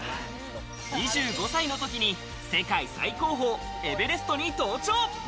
２５歳の時に世界最高峰エベレストに登頂。